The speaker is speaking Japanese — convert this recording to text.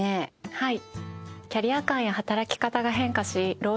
はい。